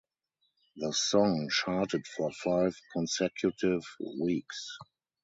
The song charted for five consecutive weeks.